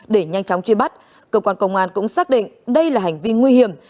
để nhanh chóng truy bắt cơ quan công an cũng xác định đây là hành vi nguy hiểm